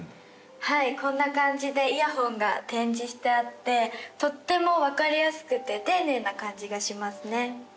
はいこんな感じでイヤホンが展示してあってとっても分かりやすくて丁寧な感じがしますね